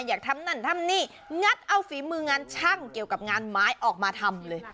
อยากทำนั่นทำนี่งัดเอาฝีมืองานช่างเกี่ยวกับงานไม้ออกมาทำเลย